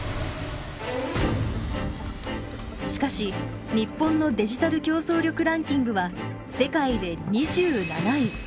しかし、日本のデジタル競争力ランキングは世界で２７位。